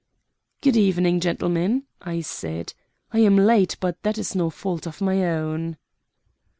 "Good evening, gentlemen," I said. "I am late, but that is no fault of my own."